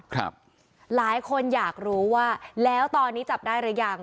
หลายคนอยากรู้ว่าแล้วตอนนี้จับได้หรือยัง